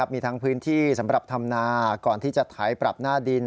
มีทั้งพื้นที่สำหรับธรรมนาก่อนที่จะไถปรับหน้าดิน